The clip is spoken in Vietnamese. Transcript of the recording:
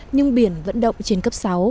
nhưng biển vẫn động trên cấp sáu